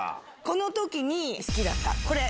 この時に好きだったこれ。